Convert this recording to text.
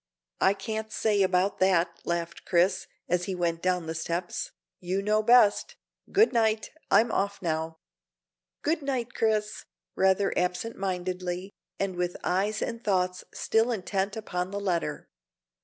"I can't say about that," laughed Chris, as he went down the steps. "You know best; good night, I'm off now." "Good night, Chris," rather absent mindedly, and with eyes and thoughts still intent upon the letter.